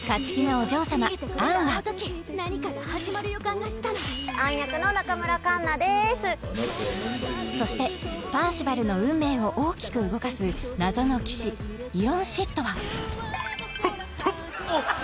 お嬢様アンはアン役の中村カンナでーすそしてパーシバルの運命を大きく動かす謎の騎士イロンシッドはプップッ！